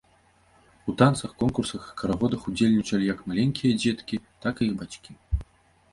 У танцах, конкурсах і карагодах удзельнічалі як маленькія дзеткі, так і іх бацькі.